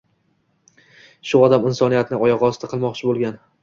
Shu odam insoniyatni oyoqosti qilmoqchi bo‘lgan